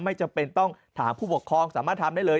ไม่จำเป็นต้องถามผู้ปกครองสามารถทำได้เลย